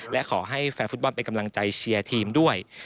และขอให้แฟนฟุตบอลเป็นกำลังใจเชียร์ทีมด้วย